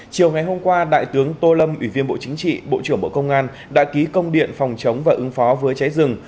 chiều ngày hôm qua đại tướng tô lâm ủy viên bộ chính trị bộ trưởng bộ công an đã ký công điện phòng chống và ứng phó với cháy rừng